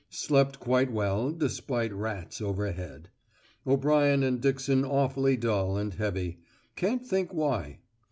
Slept quite well, despite rats overhead. O'Brien and Dixon awfully dull and heavy; can't think why.